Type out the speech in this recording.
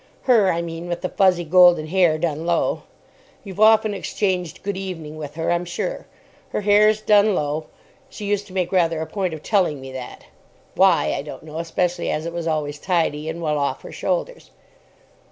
Her, I mean, with the fuzzy golden hair done low. You've often exchanged "Good evening" with her, I'm sure. Her hair's done low: she used to make rather a point of telling me that. Why, I don't know, especially as it was always tidy and well off her shoulders.